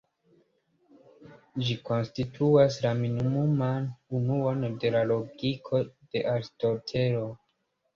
Ĝi konstituas la minimuman unuon de la logiko de Aristotelo.